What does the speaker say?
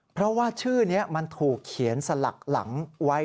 เพราะว่าชื่อนี้มันถูกเขียนสลักหลังไว้